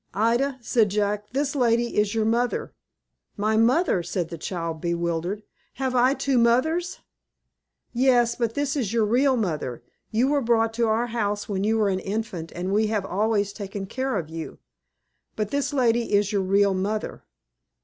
"Ida," said Jack, "this lady is your mother." "My mother!" said the child, bewildered. "Have I two mothers?" "Yes, but this is your real mother. You were brought to our house when you were an infant, and we have always taken care of you; but this lady is your real mother."